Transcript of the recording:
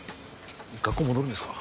学校戻るんですか？